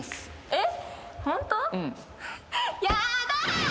えっ？